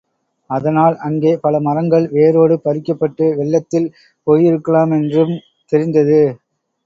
அதனால் அங்கே பல மரங்கள் வேரோடு பறிக்கப்பட்டு வெள்ளத்தில் போயிருக்கலாமென்றும் தெரிந்தது.